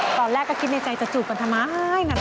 ตอนแรกก็คิดในใจจะจูบกันทำไม